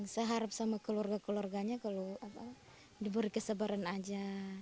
saya harap sama keluarga keluarganya kalau diberi kesabaran aja